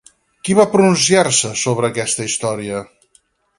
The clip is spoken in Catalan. Qui va pronunciar-se sobre aquesta història?